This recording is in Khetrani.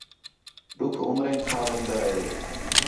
ݙُکھ عُمریک کھا وین٘دا ہے